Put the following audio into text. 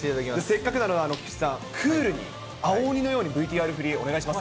せっかくなので菊池さん、クールに青鬼のようにＶＴＲ振り、お願いします。